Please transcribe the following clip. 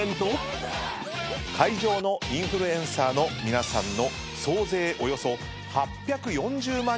会場のインフルエンサーの皆さんの。